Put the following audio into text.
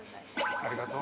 ありがとう。